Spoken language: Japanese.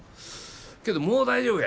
けどもう大丈夫や。